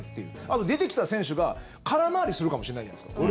あと出てきた選手が空回りするかもしれないじゃないですか。